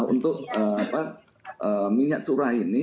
untuk minyak curah ini